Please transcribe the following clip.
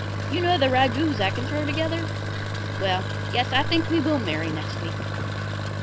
You know the ragouts I can throw together? Yes, I think we will marry next week."